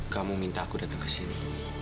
kamu minta aku datang ke sini